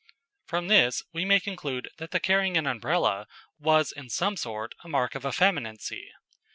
"] From this we may conclude that the carrying an Umbrella was in some sort a mark of effeminacy.